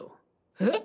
えっ！？